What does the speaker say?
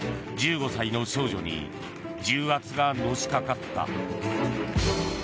１５歳の少女に重圧がのしかかった。